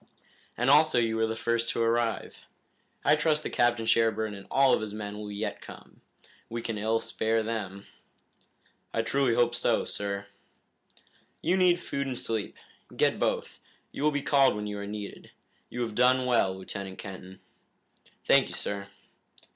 "And also you were the first to arrive. I trust that Captain Sherburne and all of his men will yet come. We can ill spare them." "I truly hope so, sir." "You need food and sleep. Get both. You will be called when you are needed. You have done well, Lieutenant Kenton." "Thank you, sir."